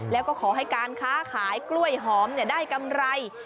แล้วก็ขอให้การค้าขายกล้วยหอมได้กำไร